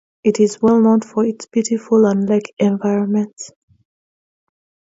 It is well known for its beautiful mountains and lake environments.